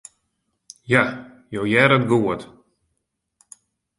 Ja, jo hearre it goed.